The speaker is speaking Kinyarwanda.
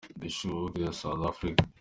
The Shoe , Ohrigstad, South Africa.